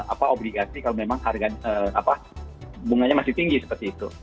apa obligasi kalau memang harga bunganya masih tinggi seperti itu